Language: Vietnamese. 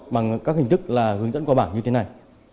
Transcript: bằng các hình thức là hướng dẫn qua bảng như thế này